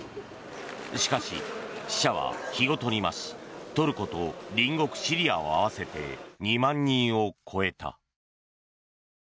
しかし、死者は日ごとに増しトルコと隣国シリアを合わせて２万人を超えた。